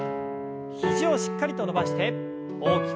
肘をしっかりと伸ばして大きく。